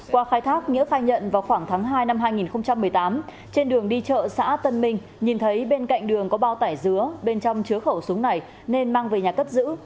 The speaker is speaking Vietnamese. qua khai thác nghĩa khai nhận vào khoảng tháng hai năm hai nghìn một mươi tám trên đường đi chợ xã tân minh nhìn thấy bên cạnh đường có bao tải dứa bên trong chứa khẩu súng này nên mang về nhà cất giữ